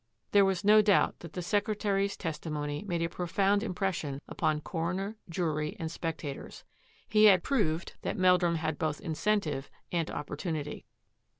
There was no doubt that the secretary's testimony made a profound impression upon coro ner, jury, and spectators. He had proved that Meldrum had both incentive and opportunity.